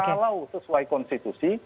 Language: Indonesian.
kalau sesuai konstitusi